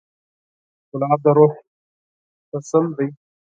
ګلاب د روح تسل دی.